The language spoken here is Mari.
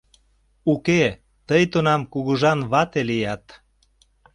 Уке, тый тунам Кугыжан вате лият!